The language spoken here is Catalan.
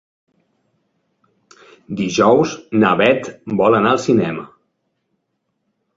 Dijous na Beth vol anar al cinema.